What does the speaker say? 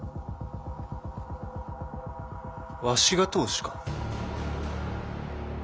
わしが当主か？